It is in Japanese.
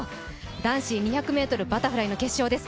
男子２００ｍバタフライの決勝です。